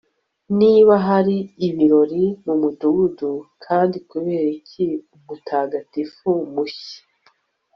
niba hari ibirori mumudugudu, kandi kuberiki umutagatifu mushya